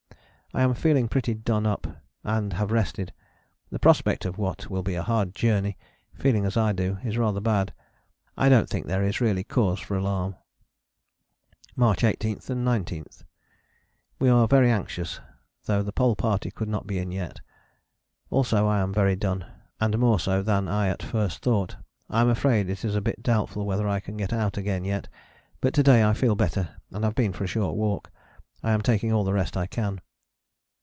I am feeling pretty done up, and have rested. The prospect of what will be a hard journey, feeling as I do, is rather bad. I don't think there is really cause for alarm." "March 18 and 19. We are very anxious, though the Pole Party could not be in yet. Also I am very done, and more so than I at first thought: I am afraid it is a bit doubtful whether I can get out again yet, but to day I feel better and have been for a short walk. I am taking all the rest I can."